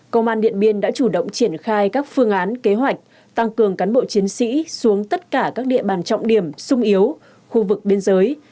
công an điện biên đã chủ động triển khai các phương án kế hoạch tăng cường cán bộ chiến sĩ xuống tất cả các địa bàn trọng điểm sung yếu khu vực biên giới